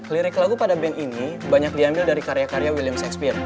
lirik lagu pada band ini banyak diambil dari karya karya william sexpear